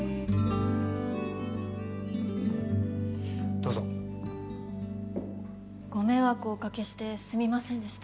どうぞ。ご迷惑をおかけしてすみませんでした。